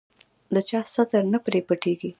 د چا ستر نه پرې پټېږي.